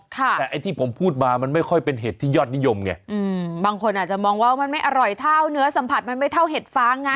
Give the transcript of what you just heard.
แต่ไอ้ที่ผมพูดมามันไม่ค่อยเป็นเห็ดที่ยอดนิยมไงอืมบางคนอาจจะมองว่ามันไม่อร่อยเท่าเนื้อสัมผัสมันไม่เท่าเห็ดฟางไง